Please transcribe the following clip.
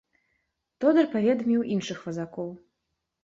Тодар паведаміў іншых вазакоў.